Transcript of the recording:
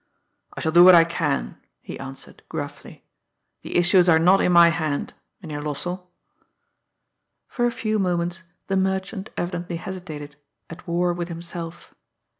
" I shall do what I can," he answered gruflBy. " The issues are not in my hand. Mynheer Lossell.'' For a few moments the merchant evidently hesitated, at war with himself.